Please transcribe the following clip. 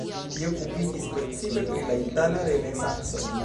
Li okupiĝis precipe pri la itala renesanco.